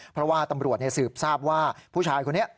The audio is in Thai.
เพราะว่าตำรวจสืบทราบว่าผู้ชายคนนี้